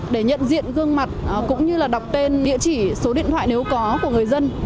để nhận diện gương mặt cũng như là đọc tên địa chỉ số điện thoại nếu có của người dân